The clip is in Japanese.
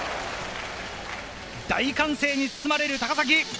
大歓声に包まれる高崎。